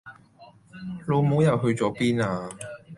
老母又去咗邊呀